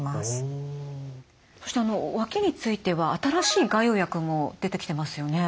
そしてわきについては新しい外用薬も出てきてますよね。